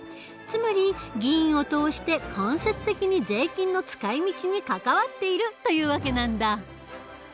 つまり議員を通して間接的に税金の使い道に関わっているという訳なんだ。